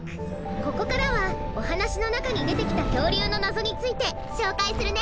ここからはおはなしのなかにでてきたきょうりゅうのなぞについてしょうかいするね。